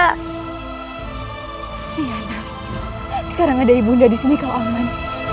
riana sekarang ada ibu nato disini kau aman